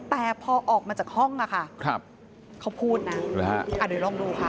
แต่พอออกมาจากห้องอะค่ะเขาพูดนะเดี๋ยวลองดูค่ะ